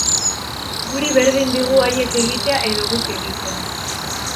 Guri berdin digu haiek egitea edo guk egitea.